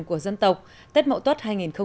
của dân tộc tết mậu tốt hai nghìn một mươi chín